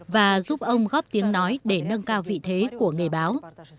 và giúp ông góp tiếng nói để nâng cao vị thế của nghề báo